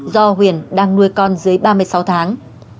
do huyền đang nuôi con dưới ba mươi sáu tháng